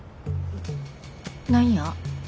何や？